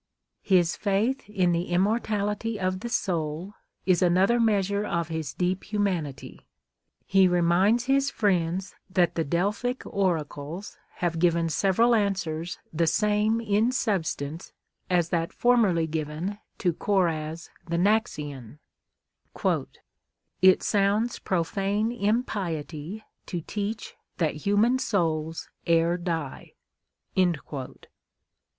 His faith in the immortality of the soul is another measure of his deep Immanity. He reminds his friends that the Delphic oracles have given several answers the same in substance as that formerly given to Coraz the Naxian :—" It sounds profane impiety To teach tliat liuman souls e'er die."